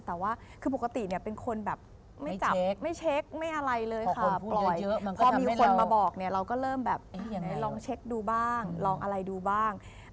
แต่ว่าคือปกติเป็นคนแบบไม่เช็กไม่อะไรเลยค่ะปล่อยพอมีคนมาบอกเราก็เริ่มแบบลองเช็กดูบ้างลองอะไรดูบ้าง